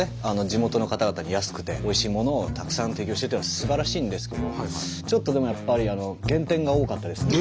地元の方々に安くておいしいものをたくさん提供してっていうのはすばらしいんですけどちょっとでもやっぱり減点！